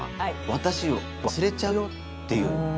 私を忘れちゃうよっていう。